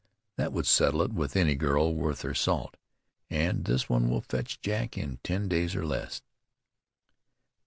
That would settle it with any girl worth her salt, and this one will fetch Jack in ten days, or less."